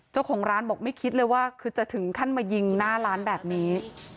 เจ้าของร้านบอกไม่คิดเลยว่าคือจะถึงขั้นมายิงหน้าร้านแบบนี้